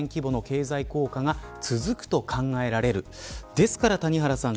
ですから谷原さん